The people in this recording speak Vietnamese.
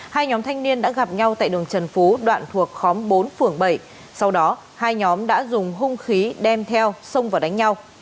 hai nhóm thanh niên đã gặp nhau tại đường trần phú đoạn thuộc khóm bốn phường bảy sau đó hai nhóm đã dùng hung khí đem theo xông vào đánh nhau